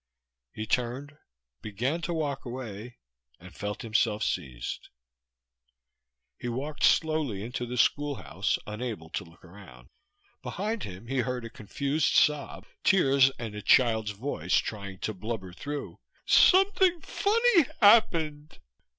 He turned, began to walk away and felt himself seized. He walked slowly into the schoolhouse, unable to look around. Behind him he heard a confused sob, tears and a child's voice trying to blubber through: "Something funny happened."